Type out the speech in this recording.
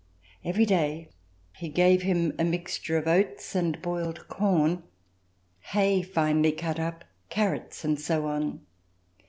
Every day he gave him a mixture of oats and boiled corn, hay finely cut up, carrots and so on.